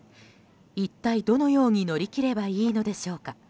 一体どのように乗り切ればいいのでしょうか。